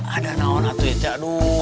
ada naon atuh ya teh aduh